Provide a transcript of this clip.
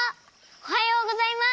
おはようございます。